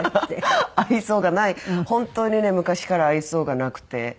本当にね昔から愛想がなくて。